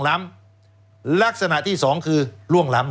แล้วเขาก็ใช้วิธีการเหมือนกับในการ์ตูน